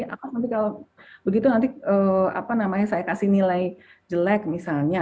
apa nanti kalau begitu nanti apa namanya saya kasih nilai jelek misalnya